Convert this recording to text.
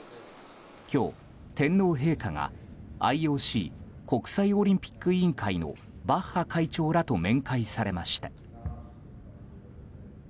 今日、天皇陛下が、ＩＯＣ・国際オリンピック委員会のバッハ会長らと面会されました。